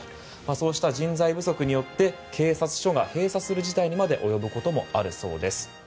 そうした人材不足により警察署が閉鎖する事態にまで及ぶこともあるそうです。